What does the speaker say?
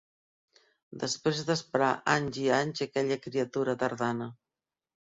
Després d'esperar anys i anys aquella criatura tardana